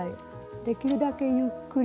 できるだけゆっくりと。